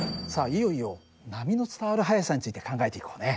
いよいよ波の伝わる速さについて考えていこうね。